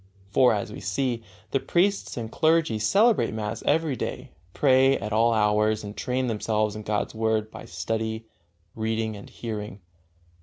For, as we see, the priests and clergy celebrate mass every day, pray at all hours and train themselves in God's Word by study, reading and hearing.